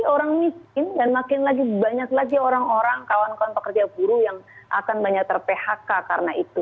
orang miskin dan makin lagi banyak lagi orang orang kawan kawan pekerja buruh yang akan banyak ter phk karena itu